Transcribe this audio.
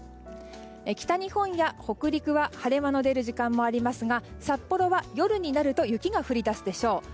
北日本や北陸は晴れ間の出る時間もありますが札幌は夜になると雪が降り出すでしょう。